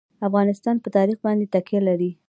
افغانستان په تاریخ باندې تکیه لري.